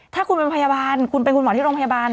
ถ้าคุณเป็นพยาบาลคุณเป็นคุณหมอที่โรงพยาบาล